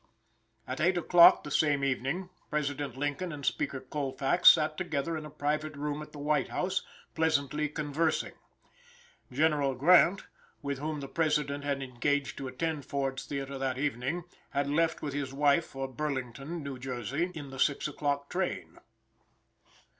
At 8 o'clock the same evening, President Lincoln and Speaker Colfax sat together in a private room at the White House, pleasantly conversing. General Grant, with whom the President had engaged to attend Ford's Theater that evening, had left with his wife for Burlington, New Jersey, in the 6 o'clock train.